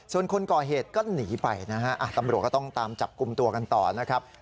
ส่วนคนก่อเหตุก็หนีไปนะฮะตำรวจก็ต้องตามจับกลุ่มตัวกันต่อนะครับ